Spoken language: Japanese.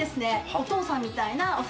お父さんみたいなオサ様。